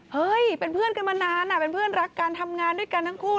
เฮ้ยเป็นเพื่อนกันมานานเป็นเพื่อนรักกันทำงานด้วยกันทั้งคู่